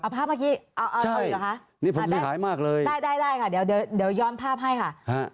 เอาภาพเมื่อกี้เอาอีกหรือคะอันนี้ผมจะหายมากเลยใช่ได้ค่ะเดี๋ยวยอมภาพให้ค่ะ